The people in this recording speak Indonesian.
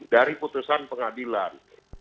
dari putusan pengadilan